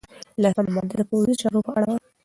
لسمه ماده د پوځي چارو په اړه وه.